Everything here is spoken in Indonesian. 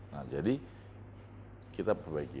nah jadi kita perbaiki